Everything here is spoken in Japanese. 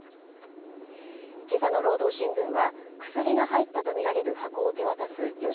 今朝の労働新聞は薬が入ったとみられる箱を手渡す与